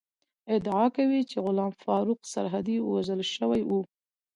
ادعا کوي چې غلام فاروق سرحدی وژل شوی ؤ